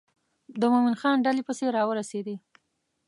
د مومن خان ډلې پسې را ورسېدې.